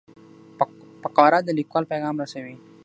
فقره د لیکوال پیغام رسوي.